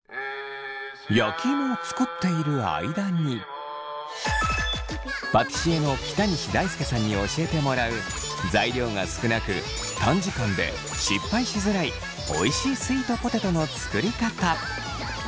焼き芋を作っている間にパティシエの北西大輔さんに教えてもらう材料が少なく短時間で失敗しづらいおいしいスイートポテトの作りかた。